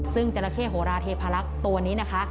ซึ่งจราเข้โหราเทพาลักษณ์ตัวนี้นะคะ